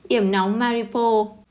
iểm nóng maripos